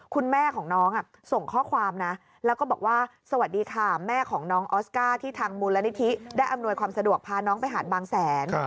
คุณแม่ของน้องส่งข้อความนะแล้วก็บอกว่าสวัสดีค่ะแม่ของน้องออสการ์ที่ทางมูลนิธิได้อำนวยความสะดวกพาน้องไปหาดบางแสน